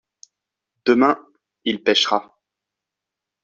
Demain il pêchera.